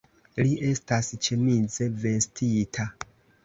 Li estas ĉemize vestita.